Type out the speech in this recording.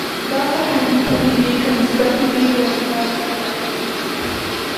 دا فرهنګي پدیدې که مثبتې وي غوړېدا نښه ګڼل کېږي